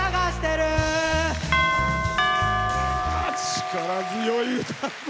力強い歌声。